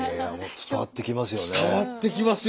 伝わってきますよ。